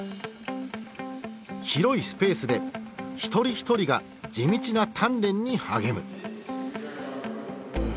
広いスペースで一人一人が地道な鍛錬に励む。